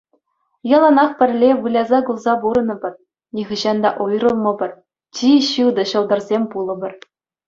Яланах пӗрле выляса-кулса пурӑнӑпӑр, нихӑҫан та уйрӑлмӑпӑр, чи ҫутӑ ҫӑлтӑрсем пулӑпӑр.